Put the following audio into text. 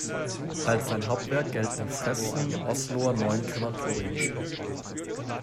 Als sein Hauptwerk gelten die Fresken im Osloer Neuen Krematorium.